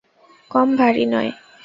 কম ভারী নয়!